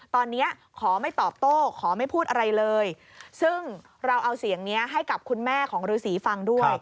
ตอนนี้ขอไม่ตอบโต้ขอไม่พูดอะไรเลยซึ่งเราเอาเสียงนี้ให้กับคุณแม่ของฤษีฟังด้วย